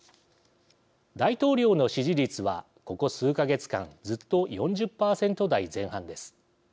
大統領の支持率はここ数か月間ずっと４０％台前半です。